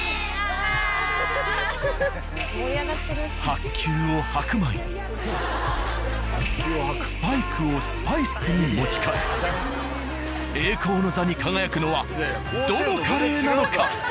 白球を白米にスパイクをスパイスに持ち替え栄光の座に輝くのはどのカレーなのか。